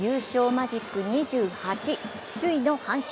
マジック２８、首位の阪神。